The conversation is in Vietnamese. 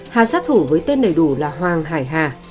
hà sát thủ với tên đầy đủ là hoàng hải hà